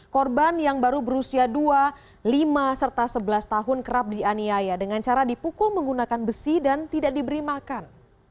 korban yang baru berusia dua lima serta sebelas tahun kerap dianiaya dengan cara dipukul menggunakan besi dan tidak diberi makan